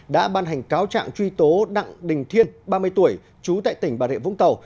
đã ban hành cáo trạng truy tố đặng đình thiên ba mươi tuổi trú tại tỉnh bà rịa vũng tàu